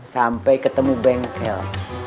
sampai ketemu bengkel